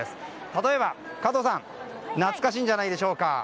例えば、加藤さん懐かしいんじゃないでしょうか。